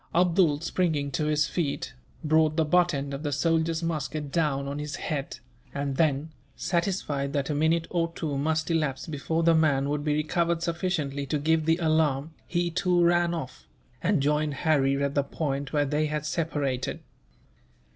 Abdool, springing to his feet, brought the butt end of the soldier's musket down on his head; and then, satisfied that a minute or two must elapse before the man would be recovered sufficiently to give the alarm, he too ran off, and joined Harry at the point where they had separated.